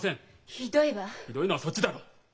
ひどいのはそっちだろう！